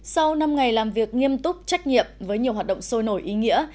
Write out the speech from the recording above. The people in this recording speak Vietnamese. sau năm ngày làm việc nghiêm túc trách nhiệm với nhiều hoạt động sôi nổi ý nghĩa